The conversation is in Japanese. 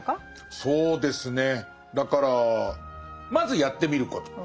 そうですねだからまずやってみること。